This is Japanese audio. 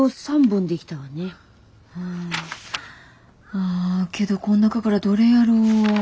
あぁけどこの中からどれやろう。